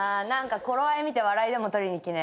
頃合い見て笑いでも取りにきなよ。